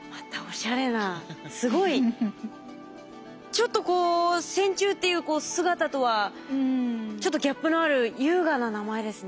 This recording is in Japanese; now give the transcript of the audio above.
ちょっとこう線虫っていう姿とはちょっとギャップのある優雅な名前ですね。